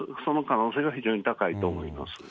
その可能性が非常に高いと思います。